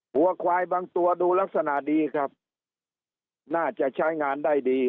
หัวควายบางตัวดูลักษณะดีครับน่าจะใช้งานได้ดี